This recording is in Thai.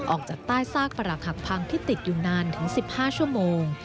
ออกจากใต้ซากประหลักหักพังที่ติดอยู่นานถึง๑๕ชั่วโมง